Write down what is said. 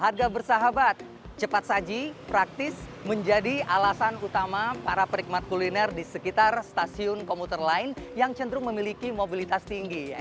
harga bersahabat cepat saji praktis menjadi alasan utama para perikmat kuliner di sekitar stasiun komuter lain yang cenderung memiliki mobilitas tinggi